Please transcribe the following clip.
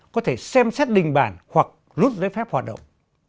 có thể xem xét đình bản hoặc rút giấy phép hoạt động